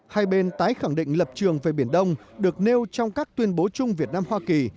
hai bên tái khẳng định lập trường về biển đông được nêu trong các tuyên bố chung việt nam hoa kỳ